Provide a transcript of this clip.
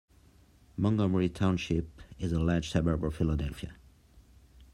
Montgomery Township is a large suburb of Philadelphia.